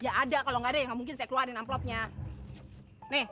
nih ada buktinya ya ada kalau nggak ada yang mungkin saya keluarin amplopnya nih